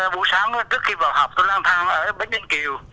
bữa sáng trước khi vào học tôi làm thang ở bến điện kiều